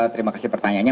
terima kasih pertanyaannya